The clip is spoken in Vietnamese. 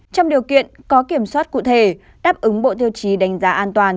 trong điều kiện có kiểm soát cụ thể đáp ứng bộ tiêu chí đánh giá an toàn